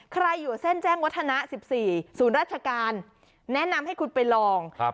ใครอยู่เส้นแจ้งวัฒนะสิบสี่ศูนย์ราชการแนะนำให้คุณไปลองครับ